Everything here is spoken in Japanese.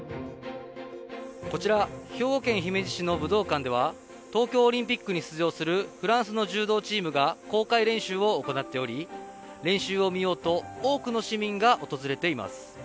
こちら、兵庫県姫路市の武道館では、東京オリンピックに出場するフランスの柔道チームが公開練習を行っており、練習を見ようと、多くの市民が訪れています。